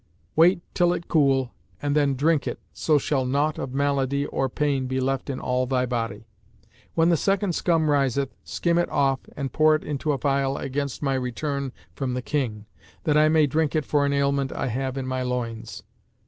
Wait till it cool and then drink it, so shall naught of malady or pain be left in all thy body. When the second scum riseth, skim it off and pour it into a phial against my return from the King, that I may drink it for an ailment I have in my loins.'